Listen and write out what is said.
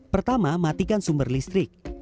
pertama matikan sumber listrik